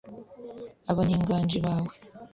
abanyenganji bawe.